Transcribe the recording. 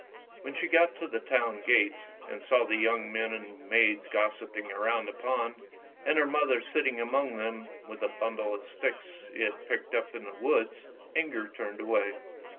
When she got to the town gates, and saw the young men and maids gossiping round the pond, and her mother sitting among them with a bundle of sticks she had picked up in the woods, Inger turned away.